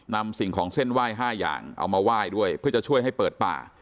สิ่งของเส้นไหว้๕อย่างเอามาไหว้ด้วยเพื่อจะช่วยให้เปิดป่า